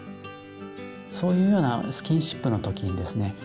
そういうようなスキンシップの時にですね